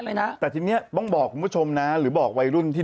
เลยนะแต่ทีเนี้ยต้องบอกคุณผู้ชมนะหรือบอกวัยรุ่นที่